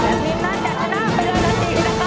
และทีมนั้นจะชนะไปเลยทันทีนะคะ